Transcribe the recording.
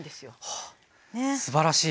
はあすばらしい！